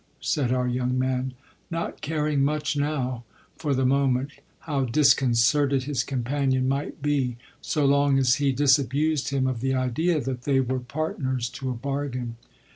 said our young man; not caring much now, for the moment, how disconcerted his companion might be, so long as he disabused him of the idea that they were partners to a bargain.